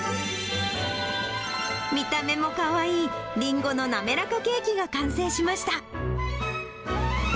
見た目もかわいい、りんごのなめらかケーキが完成しました。